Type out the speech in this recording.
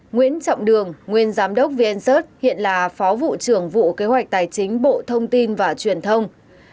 một nguyễn trọng đường nguyên giám đốc vncert hiện là phó vụ trưởng vụ kế hoạch tài chính bộ thông tin và truyền thông